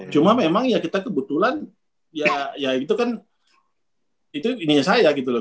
cuma memang ya kita kebetulan ya itu kan itu ini saya gitu loh